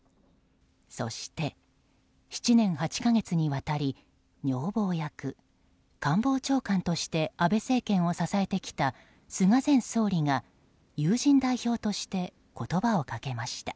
そして７年８か月にわたり女房役、官房長官として安倍政権を支えてきた菅前総理が友人代表として言葉をかけました。